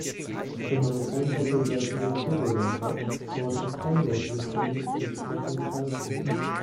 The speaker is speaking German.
Wenn man kein doppelseitiges Klebeband hat, kann man auch einseitiges nehmen und entsprechend falten.